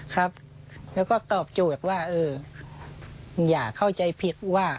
ครับแล้วก็ตอบโจทย์ว่าเอออย่าเข้าใจผิดว่า